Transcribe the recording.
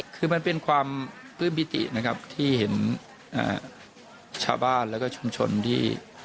คือมันเป็นความปลื้มปิตินะครับที่เห็นชาวบ้านแล้วก็ชุมชนที่